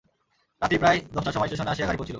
রাত্রি প্রায় দশটার সময় স্টেশনে আসিয়া গাড়ি পৌঁছিল।